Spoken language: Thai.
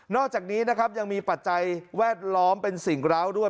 อกจากนี้นะครับยังมีปัจจัยแวดล้อมเป็นสิ่งร้าวด้วย